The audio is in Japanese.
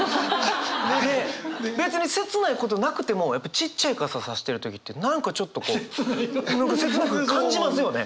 別に切ないことなくてもちっちゃい傘さしてる時って何かちょっとこう何か切なく感じますよね！